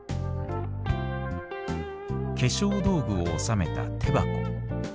化粧道具を収めた手箱。